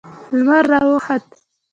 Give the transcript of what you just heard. لمر راوخوت